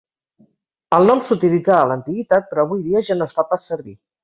El nom s'utilitzà a l'antiguitat però avui dia ja no es fa pas servir.